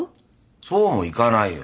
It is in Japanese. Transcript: そうもいかないよ。